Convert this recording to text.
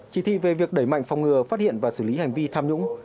chỉ thị về việc đẩy mạnh phòng ngừa phát hiện và xử lý hành vi tham nhũng